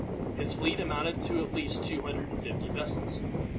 His fleet amounted at least to two hundred and fifty vessels.